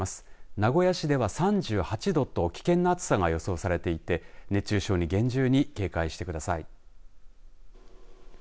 名古屋市では３８度と危険な暑さが予想されていて熱中症に厳重に警戒してください。